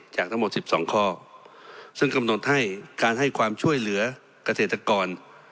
จากทั้งหมด๑๒ข้อซึ่งกำหนดให้การให้ความช่วยเหลือเกษตรกร